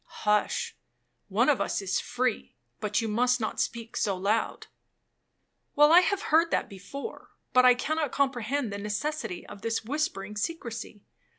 '— 'Hush,—one of us is free; but you must not speak so loud.'—'Well, I have heard that before, but I cannot comprehend the necessity of this whispering secrecy.